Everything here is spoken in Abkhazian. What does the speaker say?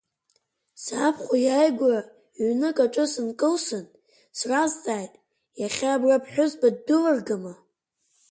Сабхәа иааигәара ҩнык аҿы сынкылсын сразҵааит, иахьа абра ԥҳәызба ддәылыргама?